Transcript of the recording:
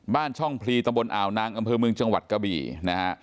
ช่องพลีตำบลอ่าวนางอำเภอเมืองจังหวัดกะบี่นะฮะ